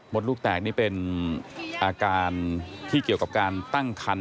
ลูกแตกนี่เป็นอาการที่เกี่ยวกับการตั้งคัน